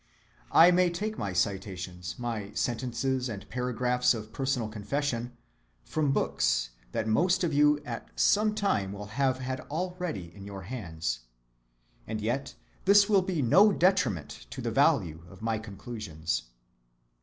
I may take my citations, my sentences and paragraphs of personal confession, from books that most of you at some time will have had already in your hands, and yet this will be no detriment to the value of my conclusions.